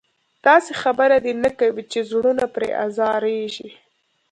داسې خبره دې نه کوي چې زړونه پرې ازارېږي.